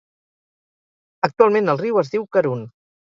Actualment el riu es diu Karun.